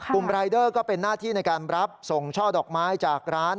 กลุ่มรายเดอร์ก็เป็นหน้าที่ในการรับส่งช่อดอกไม้จากร้าน